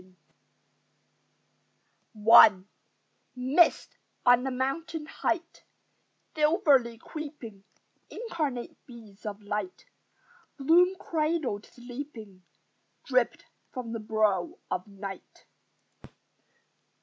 DAWN I Mist on the mountain height Silverly creeping: Incarnate beads of light Bloom cradled sleeping, Dripped from the brow of Night.